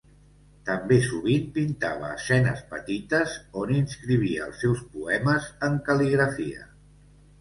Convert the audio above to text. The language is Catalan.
També sovint pintava escenes petites, on inscrivia els seus poemes en cal·ligrafia.